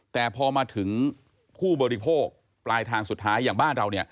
แต่พอมาถึงผู้บริโภคปลายทางสุดท้ายอย่างบ้านเรา